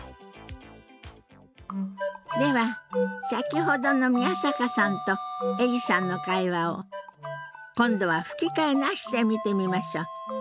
では先ほどの宮坂さんとエリさんの会話を今度は吹き替えなしで見てみましょう。